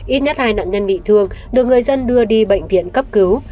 ít nhất hai nạn nhân bị thương được người dân đưa đi bệnh viện cấp cứu